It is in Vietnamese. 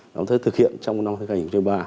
chúng tôi thực hiện trong năm hai nghìn ba